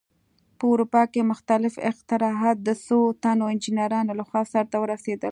په اروپا کې مختلف اختراعات د څو تنو انجینرانو لخوا سرته ورسېدل.